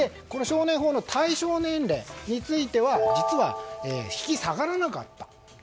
少年法の対象年齢については実は引き下がらなかった。